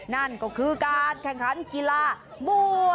โน้นก็คือการก่อนกีฬาบ